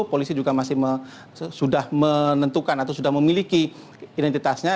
polisi juga masih sudah menentukan atau sudah memiliki identitasnya